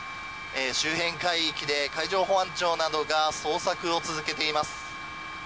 周辺海域で海上保安庁などが捜索を続けています。